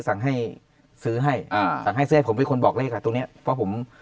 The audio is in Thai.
สั่งให้ซื้อให้อ่าสั่งให้ซื้อให้ผมเป็นคนบอกเลขอ่ะตรงเนี้ยเพราะผม